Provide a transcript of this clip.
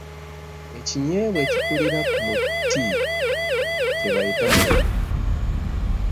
Ekinyeebwa ekikulira ku muti kye bayita mulekula.